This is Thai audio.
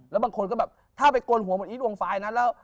แล้วบางคนก็แบบถ้าไปกล่ญหัวบริษฐ์วงฟลายนะ